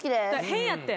変やって。